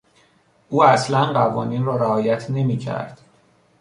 او اصلا قوانین را رعایت نمیکرد.